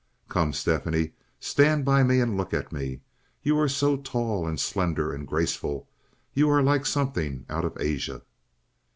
"Come, Stephanie! Stand by me and look at me. You are so tall and slender and graceful. You are like something out of Asia."